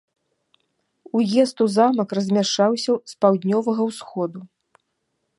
Уезд у замак размяшчаўся з паўднёвага ўсходу.